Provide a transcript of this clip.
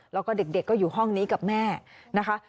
แล้วก็เด็กก็อยู่ห้องนี้กับแม่นะคะ